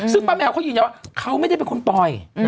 ซึ่งป้าแมวเขายืนยันว่าเขาไม่ได้เป็นคนปล่อย